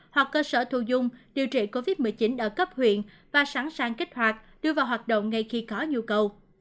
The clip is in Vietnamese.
hoặc cơ sở thu dung điều trị covid một mươi chín ở cấp huyện và sẵn sàng kích hoạt đưa vào hoạt động ngay khi có nhu cầu